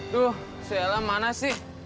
duh se ela mana sih